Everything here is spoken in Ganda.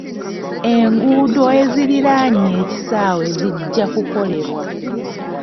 Enguudo eziriraanye ekisaawe zijja kukolebwa.